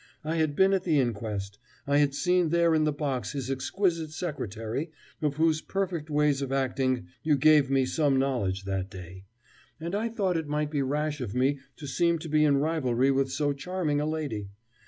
I had been at the inquest I had seen there in the box his exquisite secretary, of whose perfect ways of acting you gave me some knowledge that day, and I thought it might be rash of me to seem to be in rivalry with so charming a lady.